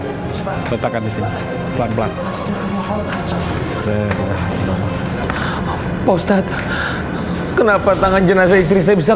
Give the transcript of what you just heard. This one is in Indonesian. hai letakkan disini pelan pelan hai terakhir hai postat kenapa tangan jenazah istri saya bisa